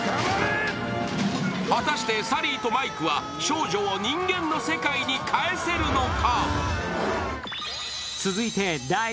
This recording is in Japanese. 果たしてサリーとマイクは少女を人間の世界に帰せるのか。